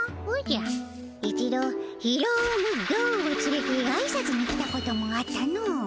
一度ひろむ・ごーをつれてあいさつに来たこともあったの。